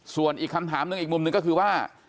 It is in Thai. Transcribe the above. ส่วนอีกคำถามหนึ่งอีกมุมหนึ่งก็คือว่า